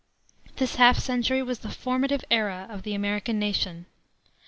This half century was the formative era of the American nation.